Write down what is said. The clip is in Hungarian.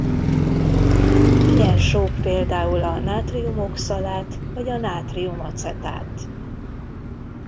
Ilyen sók például a nátrium-oxalát vagy a nátrium-acetát.